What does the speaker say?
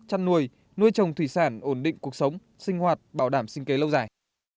chăn nuôi nuôi trồng thủy sản ổn định cuộc sống sinh hoạt bảo đảm sinh kế lâu dài